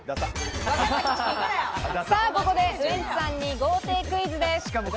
ここでウエンツさんに豪邸クイズです。